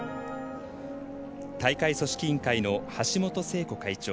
大会組織委員会の橋本聖子会長